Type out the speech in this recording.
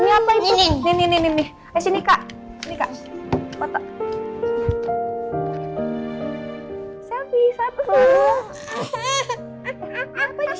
tante fries untuk dia tuh